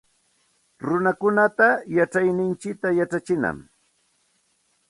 Runakunata yachayninchikta yachachinam